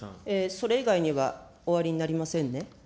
それ以外にはおありになりませんね。